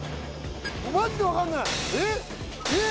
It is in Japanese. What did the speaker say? マジで分かんないえっ？